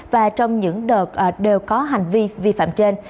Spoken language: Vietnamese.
và trong những đợt đều có hành vi vi phạm trên